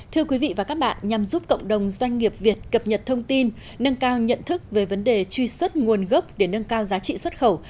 thưa quý vị và các bạn nhằm giúp cộng đồng doanh nghiệp việt cập nhật thông tin nâng cao nhận thức về vấn đề truy xuất nguồn gốc để nâng cao giá trị xuất khẩu